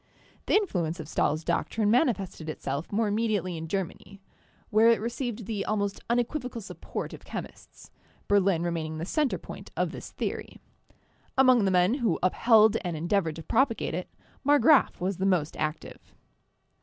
The influence of Stahl's doctrine manifested itself more immediately in Germany, where it received the almost unequivocal support of chemists, Berlin remaining the center point of this theory. Among the men who upheld and endeavored to propagate it, Marggraf was the most active.